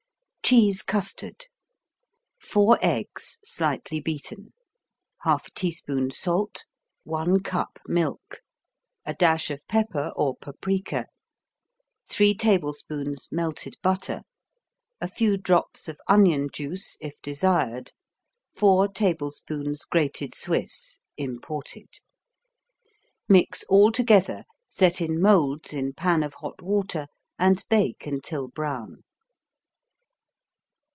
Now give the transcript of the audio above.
Cheese Custard 4 eggs, slightly beaten 1/2 teaspoon salt 1 cup milk A dash of pepper or paprika 3 tablespoons melted butter A few drops of onion juice, if desired 4 tablespoons grated Swiss (imported) Mix all together, set in molds in pan of hot water, and bake until brown.